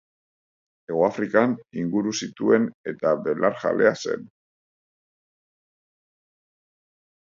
Hegoafrikan inguru zituen eta belarjalea zen.